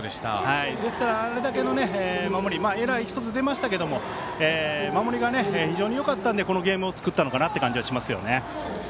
ですから、あれだけの守りエラー１つ出ましたけど守りが非常によかったんでこのゲームを作ったのかなっていう感じがしますよね。